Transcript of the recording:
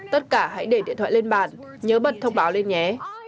tất cả hãy để điện thoại lên bàn nhớ bật thông báo lên nhé